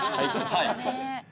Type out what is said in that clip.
はい。